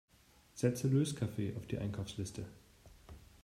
Setze Löskaffee auf die Einkaufsliste!